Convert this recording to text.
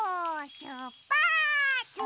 しゅっぱつ！